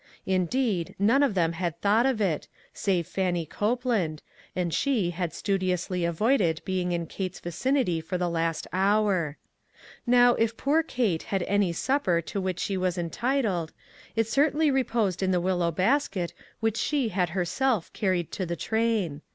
Indeed, none of them had thought of it, save Fannie Copeland, and she had studiously avoided being in Kate's vicinity for the last hour. Now, if poor Kate had any supper to which SOCIETY CIRCLES. 8/ she was entitled, it certainly reposed in the willow basket which she had herself car ried to the train.